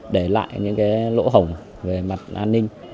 để lại những lỗ hỏng về mặt an ninh